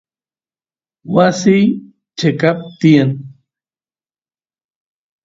wasiy cheqap tiyan